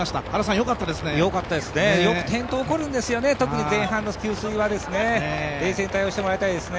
よかったですね、よく転倒が起こるんですよね、特に前半の給水は冷静に対応してもらいたいですね。